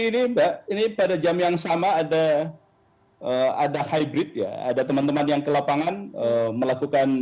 ini mbak ini pada jam yang sama ada ada hybrid ya ada teman teman yang ke lapangan melakukan